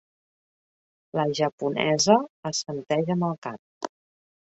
La japonesa assenteix amb el cap.